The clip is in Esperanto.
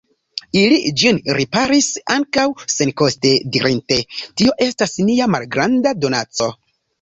Ili ĝin riparis ankaŭ senkoste, dirinte: Tio estas nia malgranda donaco.